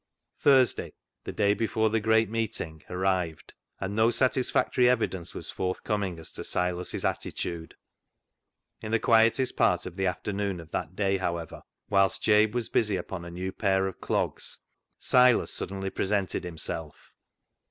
Thursday, the day before the great meeting, arrived, and no satisfactory evidence was forth coming as to Silas's attitude. In the quietest part of the afternoon of that day, however, whilst Jabe was busy upon a new pair of clogs, Silas suddenly presented himself.